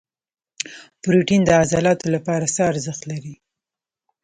پروټین د عضلاتو لپاره څه ارزښت لري؟